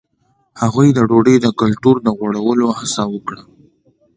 هغوی د ډوډۍ د کلتور د غوړولو هڅه وکړه.